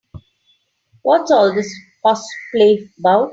What's all this horseplay about?